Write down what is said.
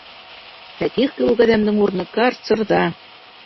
Фәтих кеүек әҙәмдең урыны карцерҙа!